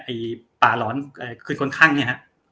ไอ้ป๋าหลอนคืนคนข้างเนี่ยครับ